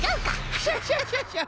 クシャシャシャシャ！